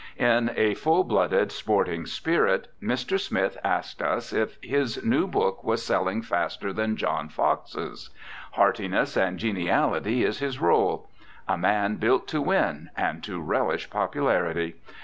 In a full blooded, sporting spirit Mr. Smith asked us if his new book was "selling faster than John Fox's." Heartiness and geniality is his role. A man built to win and to relish popularity.